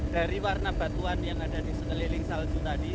dari warna batuan yang ada di sekeliling salju tadi